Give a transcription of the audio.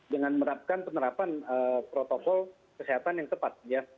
dengan menerapkan penerapan protokol kesehatan yang tepat ya